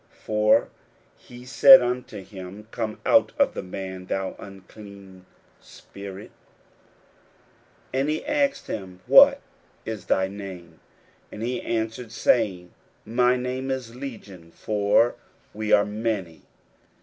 41:005:008 For he said unto him, Come out of the man, thou unclean spirit. 41:005:009 And he asked him, What is thy name? And he answered, saying, My name is Legion: for we are many.